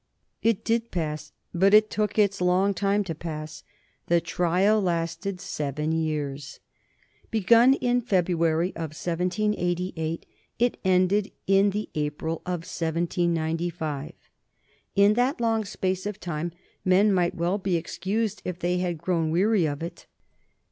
'" It did pass, but it took its long time to pass. The trial lasted seven years. Begun in the February of 1788, it ended in the April of 1795. In that long space of time men might well be excused if they had grown weary of it.